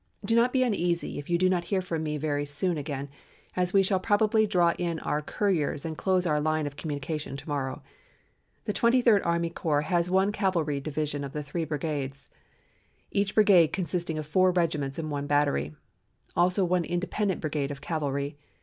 Do not be uneasy if you do not hear from me very soon again, as we shall probably draw in our couriers and close our line of communication to morrow. The Twenty third Army Corps has one cavalry division of three brigades, each brigade consisting of four regiments and one battery; also one independent brigade of cavalry.